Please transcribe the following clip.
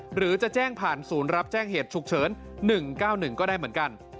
หรือจะแจ้งผ่านศูนย์รับแจ้งเหตุฉุกเฉิน๑๙๑ก็ได้เหมือนกัน